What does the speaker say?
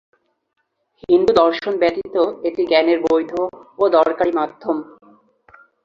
হিন্দু দর্শন ব্যতীত, এটি জ্ঞানের বৈধ ও দরকারী মাধ্যম।